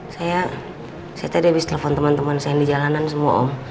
saya saya tadi habis telepon temen temen saya yang di jalanan semua om